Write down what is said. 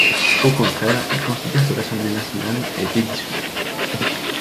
Au contraire, il considère que l'assemblée nationale a été dissoute.